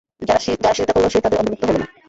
যারা সিজদা করল, সে তাদের অন্তর্ভুক্ত হলো না।